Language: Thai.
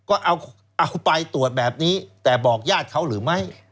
ก็เอาไปตรวจแบบนี้แต่บอกญาติเขาหรือไม่